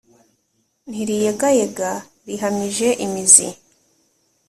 Ntiriyegayega rihamije imizi.